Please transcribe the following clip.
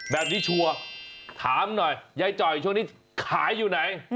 ๐๘๐๑๗๒๗๔๒๒แบบนี้ชัวร์ถามหน่อยย้ายจ่อยช่วงนี้ขายอยู่ไหน